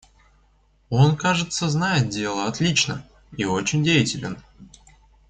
Он, кажется, знает дело отлично и очень деятелен.